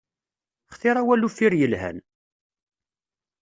Xtir awal uffir yelhan!